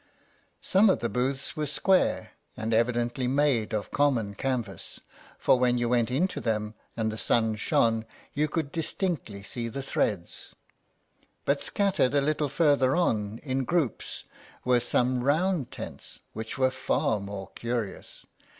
Some of the booths were square, and evidently made of common canvas, for when you went into them, and the sun shone, you could distinctly see the threads. But scattered a little farther on in groups were some round tents, which were far more curious.